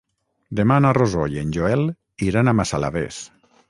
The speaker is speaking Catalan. Demà na Rosó i en Joel iran a Massalavés.